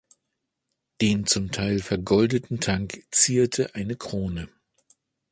Den zum Teil vergoldeten Tank zierte eine Krone.